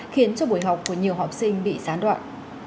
khiến cho buổi học của nhiều học sinh bị gián đoạn